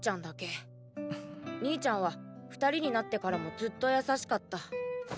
兄ちゃんは２人になってからもずっと優しかった。